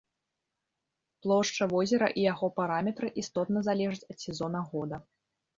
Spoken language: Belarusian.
Плошча возера і яго параметры істотна залежаць ад сезона года.